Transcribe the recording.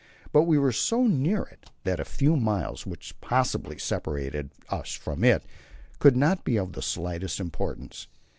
But we were so near it that the few miles which possibly separated us from it could not be of the slightest importance.